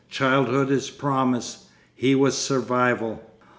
Childhood is promise. He was survival.